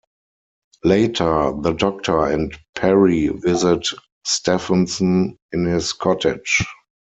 Later, the Doctor and Peri visit Stephenson in his cottage.